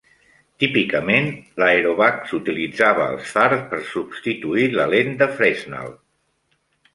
Típicament, l'aeròbac s'utilitzava als fars per substituir la lent de Fresnel.